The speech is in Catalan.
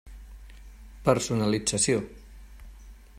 Personalització.